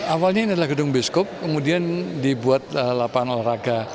awalnya ini adalah gedung biskup kemudian dibuat lapangan olahraga